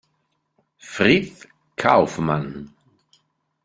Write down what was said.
Fritz Kaufmann